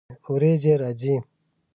ورېځې راځي